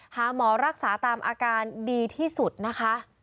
หาหมอรักษาตามอาการดีที่สุดนะคะ